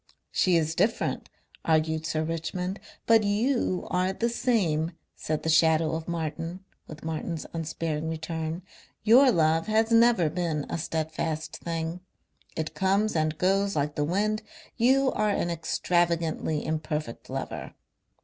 "She is different," argued Sir Richmond. "But you are the same," said the shadow of Martin with Martin's unsparing return. "Your love has never been a steadfast thing. It comes and goes like the wind. You are an extravagantly imperfect lover.